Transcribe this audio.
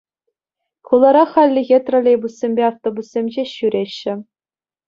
Хулара хальлӗхе троллейбуссемпе автобуссем ҫеҫ ҫӳреҫҫӗ.